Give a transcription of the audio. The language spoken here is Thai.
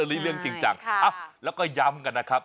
เออเรื่องของจริงจังแล้วก็ย้ำกันนะครับ